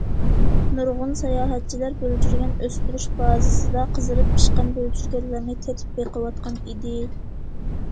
نۇرغۇن ساياھەتچىلەر بۆلجۈرگەن ئۆستۈرۈش بازىسىدا قىزىرىپ پىشقان بۆلجۈرگەنلەرنى تېتىپ بېقىۋاتقان ئىدى.